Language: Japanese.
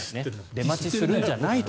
出待ちするんじゃないと。